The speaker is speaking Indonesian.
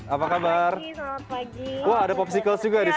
apa kabar wah ada popsicles juga disitu